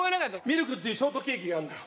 みるくっていうショートケーキがあるんだよ。